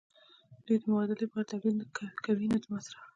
دوی د مبادلې لپاره تولید کوي نه د مصرف.